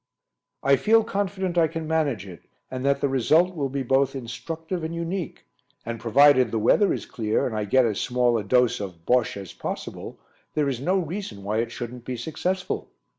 "I feel confident I can manage it, and that the result will be both instructive and unique, and provided the weather is clear and I get as small a dose of 'Bosche' as possible, there is no reason why it shouldn't be successful."